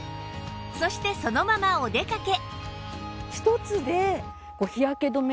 そしてそのままお出かけ